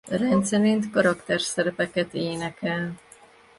Rendszerint karakterszerepeket énekel.